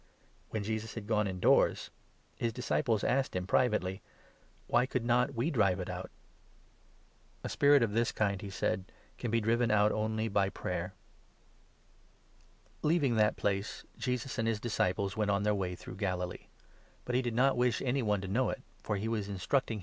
When Jesus 28 had gone indoors, his disciples asked him privately :" Why could not we drive it out ?"" A spirit of this kind," he said, " can be driven out only by 29 prayer. " Mai. 4. s 6. MARK, 9. 23 Leaving that place, Jesus and his disciples went 30 a. second t"ime, on their way through Galilee; but he did not foretells ' wish any one to know it, for he was instructing 31 his Death.